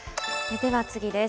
では次です。